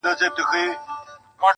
یو ګیدړ کښته له مځکي ورکتله!!